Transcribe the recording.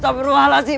stop beruah lah si